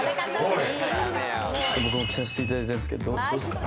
僕も着させていただいたんですけどどうっすか。